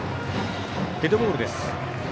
デッドボールです。